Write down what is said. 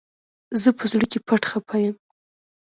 زه په زړه کي پټ خپه يم